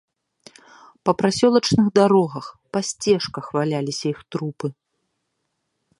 Па прасёлачных дарогах, па сцежках валяліся іх трупы.